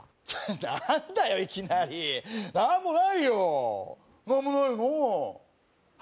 何だよいきなり何もないよ何もないよなあ